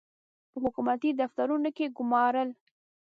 په حکومتي دفترونو کې ګومارل.